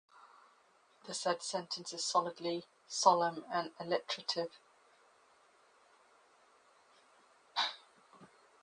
The said sentence is solidly solemn and alliterative